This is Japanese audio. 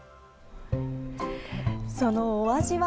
そのお味は？